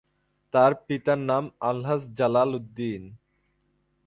তাঁর পিতার নাম আলহাজ্ব জালাল উদ্দিন।